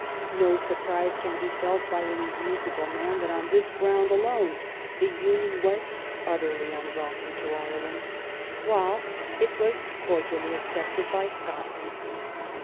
No surprise can be felt by any reasonable man that on this ground alone the union was utterly imwelcome to Ireland, while it was cord ially accepted by Scotland.